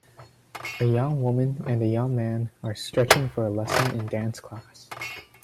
A young woman and a young man are stretching for a lesson in dance class